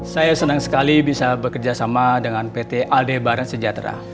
saya senang sekali bisa bekerjasama dengan pt alde barat sejahtera